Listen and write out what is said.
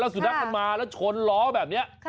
สุนัขมันมาแล้วชนล้อแบบนี้